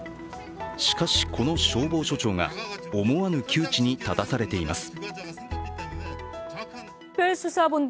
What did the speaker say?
しかし、この消防署長が思わぬ窮地に立たされています。